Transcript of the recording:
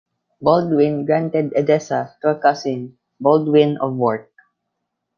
Baldwin granted Edessa to a cousin, Baldwin of Bourcq.